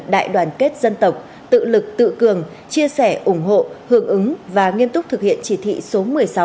đại đoàn kết dân tộc tự lực tự cường chia sẻ ủng hộ hưởng ứng và nghiêm túc thực hiện chỉ thị số một mươi sáu